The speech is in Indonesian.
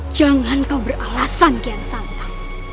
jangan kau beralasan kian santap